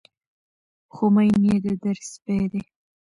خو مين يې د در سپى دى